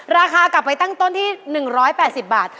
ราคากลับไปตั้งต้นที่๑๘๐บาท